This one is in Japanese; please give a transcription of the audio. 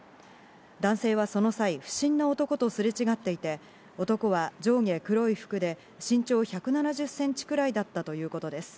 男性はその際、不審な男とすれ違っていて、男は上下黒い服で、身長１７０センチくらいだったということです。